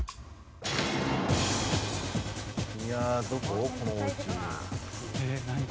いやどこ？